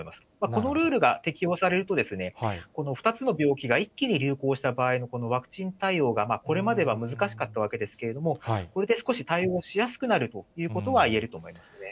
このルールが適用されると、２つの病気が一気に流行した場合のこのワクチン対応がこれまでは難しかったわけですけれども、これで少し対応しやすくなるということはいえると思いますね。